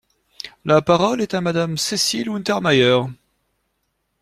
La parole est à Madame Cécile Untermaier.